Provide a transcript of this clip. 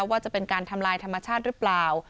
ว่าจะเป็นการทำลายธรรมชาติหรือเปล่า